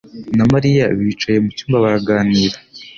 na Mariya bicaye mucyumba baraganira.